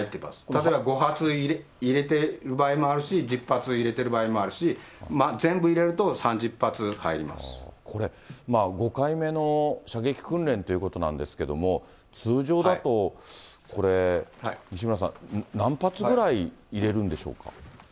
例えば５発入れてる場合もあるし、１０発入れている場合もあるし、これ、５回目の射撃訓練ということなんですけれども、通常だと、これ、西村さん、何発ぐらい入れるんでしょうか。